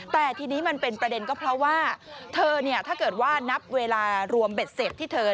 แต่ทีนี้มันเป็นประเด็นก็เพราะว่าเธอเนี่ยถ้าเกิดว่านับเวลารวมเบ็ดเสร็จที่เธอ